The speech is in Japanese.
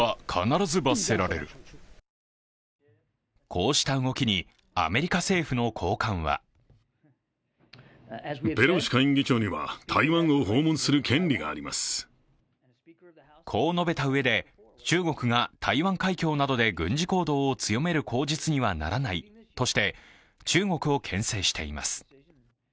こうした動きにアメリカ政府の高官はこう述べたうえで中国が台湾海峡などで軍事行動を強める口実にはならないとして中国をけん制しています。